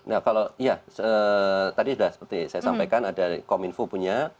nah kalau iya tadi sudah seperti saya sampaikan ada kominfo punya